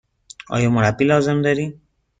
آیا مربی لازم دارید؟